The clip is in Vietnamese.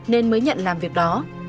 nên mới nhận làm việc đó